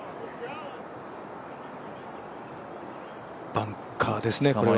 バンカーですね、これは。